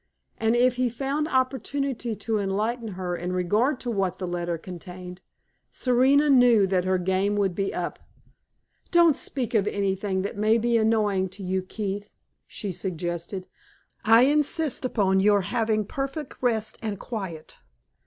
And if he found opportunity to enlighten her in regard to what that letter contained, Serena knew that her game would be up. "Don't speak of anything that may be annoying to you, Keith," she suggested. "I insist upon your having perfect rest and quiet.